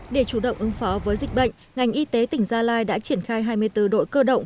để chủ động ứng phó với dịch bệnh ngành y tế tỉnh gia lai đã triển khai hai mươi bốn đội cơ động